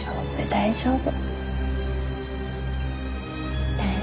大丈夫。